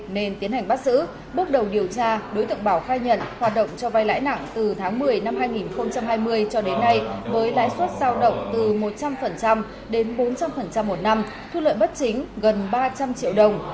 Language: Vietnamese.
nên tiến hành bắt giữ bước đầu điều tra đối tượng bảo khai nhận hoạt động cho vai lãi nặng từ tháng một mươi năm hai nghìn hai mươi cho đến nay với lãi suất giao động từ một trăm linh đến bốn trăm linh một năm thu lợi bất chính gần ba trăm linh triệu đồng